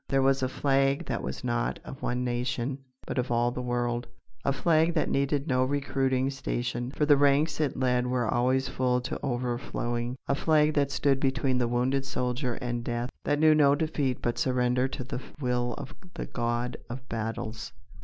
There was a flag that was not of one nation, but of all the world; a flag that needed no recruiting station, for the ranks it led were always full to overflowing; a flag that stood between the wounded soldier and death; that knew no defeat but surrender to the will of the God of Battles.